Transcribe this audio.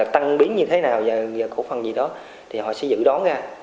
tăng biến như thế nào cổ phần gì đó thì họ sẽ dự đoán ra